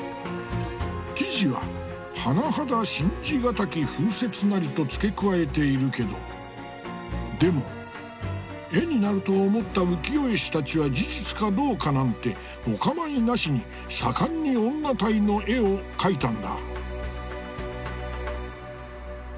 記事は「甚だ信じ難き風説なり」と付け加えているけどでも絵になると思った浮世絵師たちは事実かどうかなんてお構いなしに盛んに女隊の絵を描いたんだ。